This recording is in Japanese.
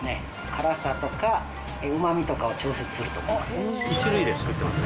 辛さとかうまみとかを調節すると思います。